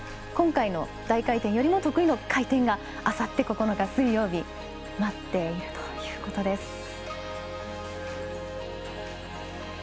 今回の大回転よりも得意の回転があさって９日、水曜日に待っているということです。